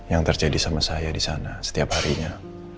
yang terjadi sama saya di sana setiap harinya